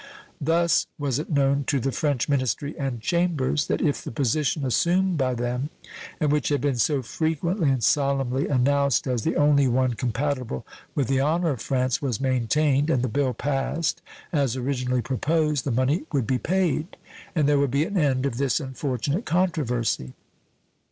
Thus was it known to the French ministry and Chambers that if the position assumed by them, and which had been so frequently and solemnly announced as the only one compatible with the honor of France, was maintained and the bill passed as originally proposed, the money would be paid and there would be an end of this unfortunate controversy.